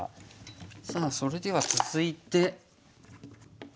さあそれでは続いて。